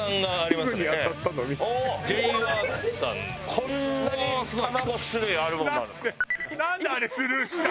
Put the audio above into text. こんなに卵種類あるものなんですか？